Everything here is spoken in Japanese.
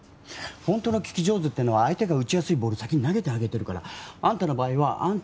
ホントの聞き上手ってのは相手が打ちやすいボール先に投げてあげてるからあんたの場合はあんたが相手の顔色うかがうばっかりで